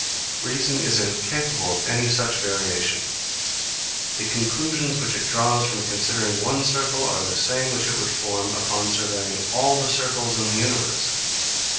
Reason is incapable of any such variation. The conclusions which it draws from considering one circle are the same which it would form upon surveying all the circles in the universe.